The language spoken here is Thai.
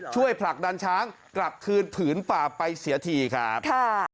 ผลักดันช้างกลับคืนผืนป่าไปเสียทีครับ